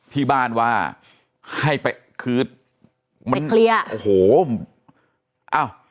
ที่บ้านว่าให้ไปคือคลี่อ้ะ